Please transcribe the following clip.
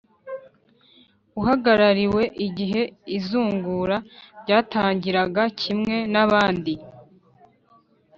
uhagarariwe igihe izungura ryatangiraga kimwe naabandi